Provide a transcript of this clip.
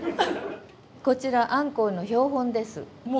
こちらアンコウの標本です。